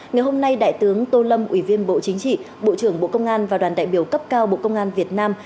ngày hôm nay đại tướng tô lâm ủy viên bộ chính trị bộ trưởng bộ công an và đoàn đại biểu cấp cao bộ công an việt nam